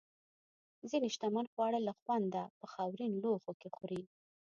ځینې شتمن خواړه له خونده په خاورین لوښو کې خوري.